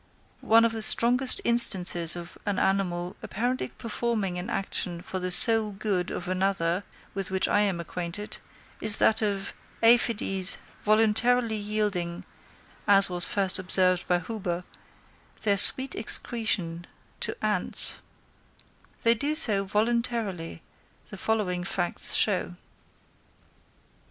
One of the strongest instances of an animal apparently performing an action for the sole good of another, with which I am acquainted, is that of aphides voluntarily yielding, as was first observed by Huber, their sweet excretion to ants: that they do so voluntarily, the following facts show.